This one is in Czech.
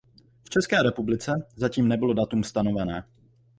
V České republice zatím nebylo datum stanovené.